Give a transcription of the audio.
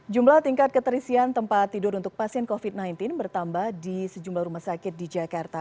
jumlah tingkat keterisian tempat tidur untuk pasien covid sembilan belas bertambah di sejumlah rumah sakit di jakarta